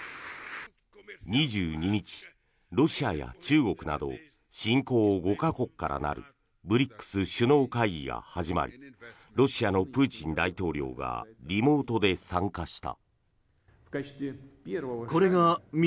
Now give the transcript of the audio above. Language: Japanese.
２２日、ロシアや中国など新興５か国からなるＢＲＩＣＳ首脳会議が始まりロシアのプーチン大統領がリモートで参加した。